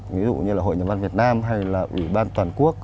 ví dụ như là hội nhà văn việt nam hay là ủy ban toàn quốc